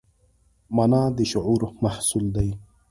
مانا د شعور محصول دی.